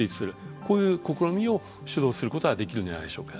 こういう試みを主導することはできるんじゃないでしょうか。